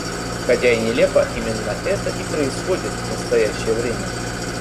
Хотя и нелепо, именно это и происходит в настоящее время.